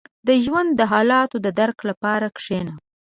• د ژوند د حالاتو د درک لپاره کښېنه.